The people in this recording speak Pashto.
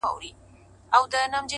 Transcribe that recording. د حوصله مندي ځواک اوږدې لارې لنډوي،